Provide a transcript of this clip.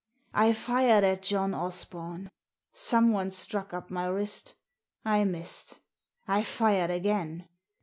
I fired at John Osbom. Someone struck up my wrist I missed. I fired again.